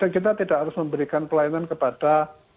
kita tidak harus memberikan pelayanan kepada